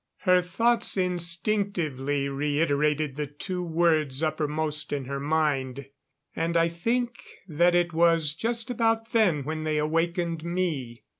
"_ Her thoughts instinctively reiterated the two words uppermost in her mind. And I think that it was just about then when they awakened me.